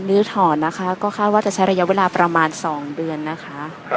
ลื้อถอนนะคะก็คาดว่าจะใช้ระยะเวลาประมาณ๒เดือนนะคะ